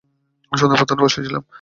সন্ধ্যার প্রার্থনায় বসেছিলাম।